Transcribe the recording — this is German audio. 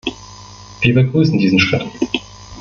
Wir begrüßen diesen Schritt.